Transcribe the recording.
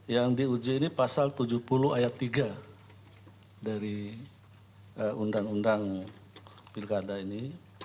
yang diuji ini pasal tujuh puluh ayat tiga dari undang undang pilkada ini